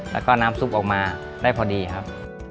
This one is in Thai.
แล้วก็น้ำซุปออกมาได้พอดีครับ